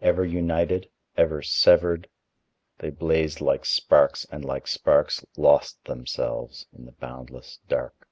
Ever united, ever severed, they blazed like sparks and like sparks lost themselves in the boundless Dark.